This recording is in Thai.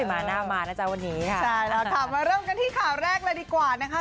มาหน้ามานะจ๊ะวันนี้ค่ะใช่แล้วค่ะมาเริ่มกันที่ข่าวแรกเลยดีกว่านะคะ